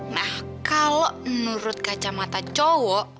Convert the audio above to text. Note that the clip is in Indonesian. nah kalau menurut kacamata cowok